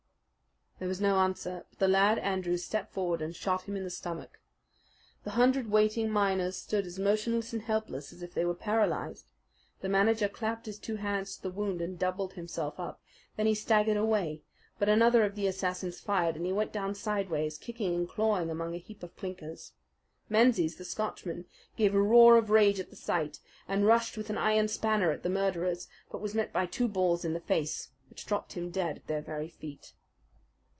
There was no answer; but the lad Andrews stepped forward and shot him in the stomach. The hundred waiting miners stood as motionless and helpless as if they were paralyzed. The manager clapped his two hands to the wound and doubled himself up. Then he staggered away; but another of the assassins fired, and he went down sidewise, kicking and clawing among a heap of clinkers. Menzies, the Scotchman, gave a roar of rage at the sight and rushed with an iron spanner at the murderers; but was met by two balls in the face which dropped him dead at their very feet.